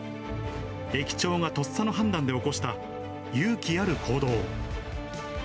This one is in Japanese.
駅長がとっさの判断で起こした勇気ある行動。